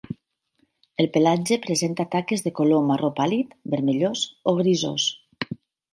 El pelatge presenta taques de color marró pàl·lid, vermellós o grisós.